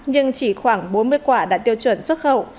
nhưng chỉ khoảng bốn mươi quả đạt tiêu chuẩn xuất khẩu